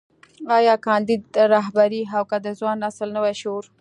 ايا کانديد رهبري او که د ځوان نسل نوی شعور.